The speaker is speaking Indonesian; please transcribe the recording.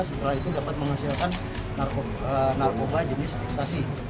setelah itu dapat menghasilkan narkoba jenis ekstasi